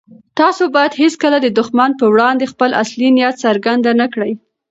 تاسو بايد هيڅکله د دښمن په وړاندې خپل اصلي نيت څرګند نه کړئ.